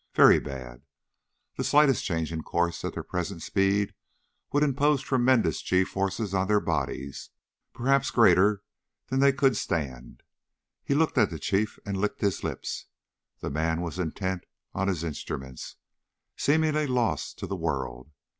Very bad. The slightest change in course at their present speed would impose tremendous g forces on their bodies, perhaps greater than they could stand. He looked at the Chief and licked his lips. The man was intent on his instruments, seemingly lost to the world.